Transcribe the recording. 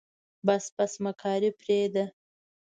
بس بس مکاري پرېده.